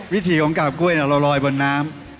วิธีของกราบกล้วยเนี่ยเราลอยบนน้ำ